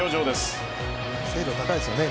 精度、高いですね。